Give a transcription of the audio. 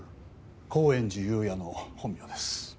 高円寺裕也の本名です。